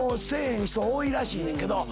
へん人が多いらしいねんけど。